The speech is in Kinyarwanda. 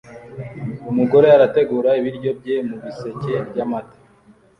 Umugore arategura ibiryo bye mubiseke byamata